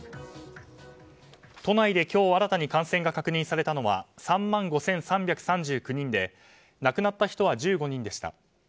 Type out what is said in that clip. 都内で今日新たに感染が確認されたのは３万５３３９人で亡くなった人は１５人でした。